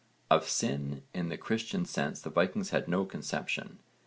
Of sin in the Christian sense the Vikings had no conception.